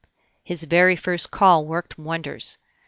His very first call worked wonders.